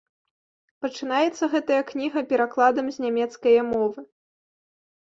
Пачынаецца гэтая кніга перакладам з нямецкае мовы.